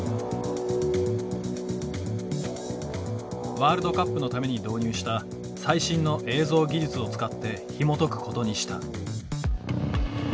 ワールドカップのために導入した最新の映像技術を使ってひもとくことにした。